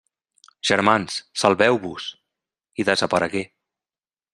«Germans, salveu-vos!», i desaparegué.